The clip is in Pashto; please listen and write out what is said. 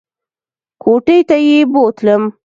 کوټې ته یې بوتلم !